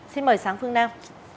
xin mời sáng phương nam